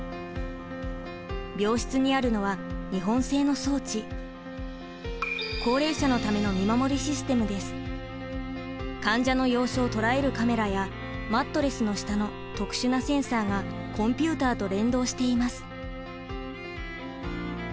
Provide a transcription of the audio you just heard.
病室にあるのは日本製の装置高齢者のための患者の様子を捉えるカメラやマットレスの下の特殊なセンサーがコンピューターと連動しています。